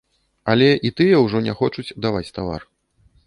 Але і тыя ўжо не хочуць даваць тавар.